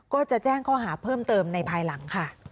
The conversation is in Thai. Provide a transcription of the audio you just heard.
ก็จะแจ้งข้อหาเพิ่มเติมในภายหลังค่ะ